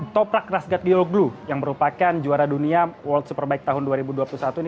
toprak rasgat dioglu yang merupakan juara dunia world superbike tahun dua ribu dua puluh satu ini